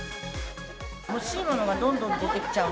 欲しいものがどんどん出てきちゃう。